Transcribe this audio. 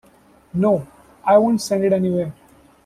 No, I won't send it anywhere.